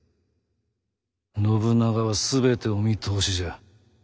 信長は全てお見通しじゃ。